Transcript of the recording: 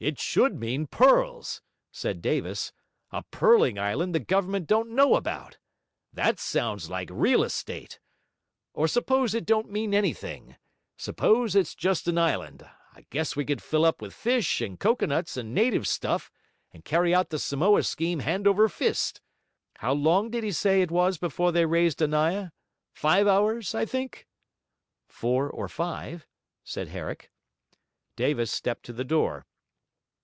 'It should mean pearls,' said Davis. 'A pearling island the government don't know about? That sounds like real estate. Or suppose it don't mean anything. Suppose it's just an island; I guess we could fill up with fish, and cocoanuts, and native stuff, and carry out the Samoa scheme hand over fist. How long did he say it was before they raised Anaa? Five hours, I think?' 'Four or five,' said Herrick. Davis stepped to the door.